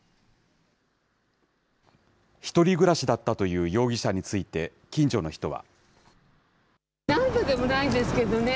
１人暮らしだったという容疑者について近所の人は。